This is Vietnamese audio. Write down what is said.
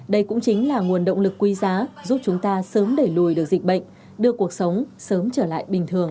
đây cũng chính là nguồn động lực quý giá giúp chúng ta sớm đẩy lùi được dịch bệnh đưa cuộc sống sớm trở lại bình thường